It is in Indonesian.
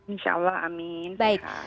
insya allah amin sehat